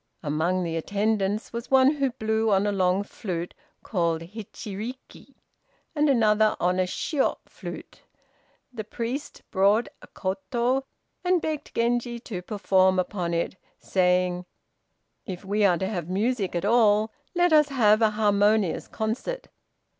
Among the attendants was one who blew on a long flute, called Hichiriki, and another on a Shiô flute. The priest brought a koto, and begged Genji to perform upon it, saying: "If we are to have music at all, let us have a harmonious concert."